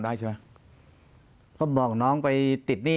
ปากกับภาคภูมิ